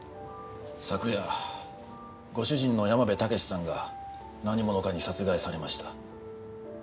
昨夜ご主人の山辺武司さんが何者かに殺害されました。